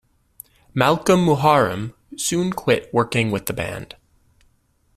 Malkolm Muharem soon quit working with the band.